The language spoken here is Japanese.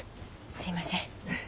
すいません。